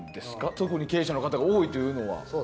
特に経営者の方が多いというのは。